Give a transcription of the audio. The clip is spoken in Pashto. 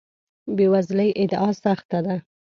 بې وزلۍ ادعا سخت ده.